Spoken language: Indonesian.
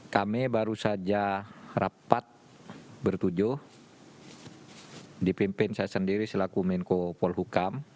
kami baru saja rapat bertujuh dipimpin saya sendiri selaku menko polhukam